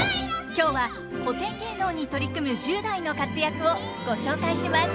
今日は古典芸能に取り組む１０代の活躍をご紹介します。